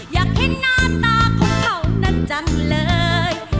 อยากเห็นหน้าตาของเขานั้นจังเลย